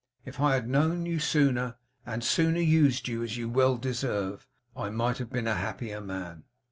If I had known you sooner, and sooner used you as you well deserve, I might have been a happier man.